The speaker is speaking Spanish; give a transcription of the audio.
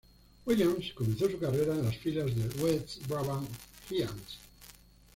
Williams comenzó su carrera en las filas del West-Brabant Giants.